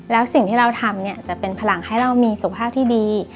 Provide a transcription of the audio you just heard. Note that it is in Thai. แล้วสิ่งที่เราทำเนี่ยจะเป็นพลังให้เรามีสุขภาพที่ดี